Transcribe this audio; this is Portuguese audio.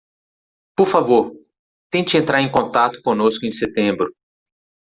Por favor, tente entrar em contato conosco em setembro.